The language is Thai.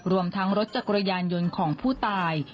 รวมทั้งรถจักรยานยนต์ของผู้ตาย